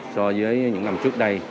so với những năm trước đây